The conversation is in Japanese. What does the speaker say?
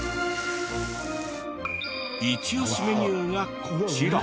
イチオシメニューがこちら。